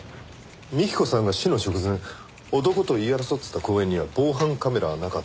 幹子さんが死の直前男と言い争っていた公園には防犯カメラはなかった。